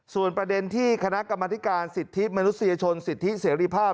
ส่วนประเด็นที่คณะกรรมธิการสิทธิมนุษยชนสิทธิเสรีภาพ